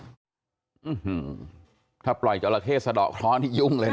อื้อหือถ้าปล่อยจราเข้สะดอกคล้อนยุ่งเลยนะ